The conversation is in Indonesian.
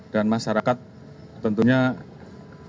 dan masyarakat tentunya mengingatkan